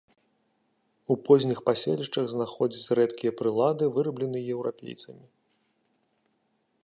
У позніх паселішчах знаходзяць рэдкія прылады, вырабленыя еўрапейцамі.